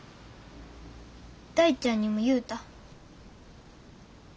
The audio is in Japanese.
大ちゃんにも言うた。